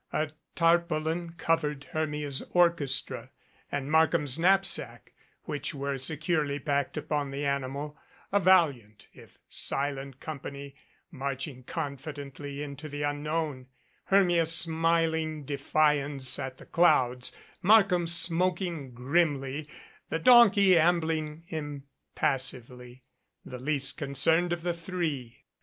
A tarpaulin covered Her mia's orchestra and Markham's knapsack which were se curely packed upon the animal a valiant, if silent com pany, marching confidently into the unknown, Hermia smiling defiance at the clouds, Markham smoking grimly, the donkey ambling impassively, the least concerned of the three.